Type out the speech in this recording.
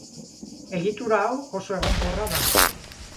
Egitura hau, oso egonkorra da.